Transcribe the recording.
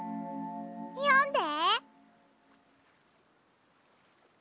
よんで。